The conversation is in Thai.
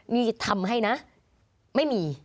นี่ทำให้นะไม่มี